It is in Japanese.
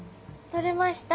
取れました！